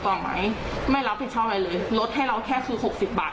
ไหมไม่รับผิดชอบอะไรเลยลดให้เราแค่คือหกสิบบาท